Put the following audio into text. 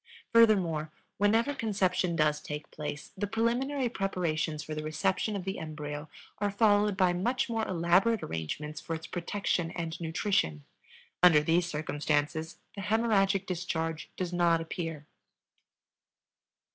Furthermore, whenever conception does take place, the preliminary preparations for the reception of the embryo are followed by much more elaborate arrangements for its protection and nutrition. Under these circumstances the hemorrhagic discharge does not appear.